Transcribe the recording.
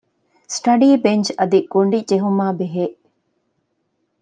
ސްޓަޑީ ބެންޗް އަދި ގޮޑި ޖެހުމާއި ބެހޭ